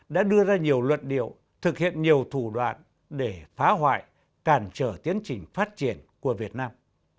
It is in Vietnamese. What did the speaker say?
đã đưa ra nhiều luật điệu thực hiện nhiều thủ đoạn để phá hoại cản trở tiến trình phát triển của việt nam